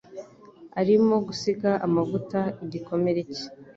arimo gusiga amavuta igikomere cye.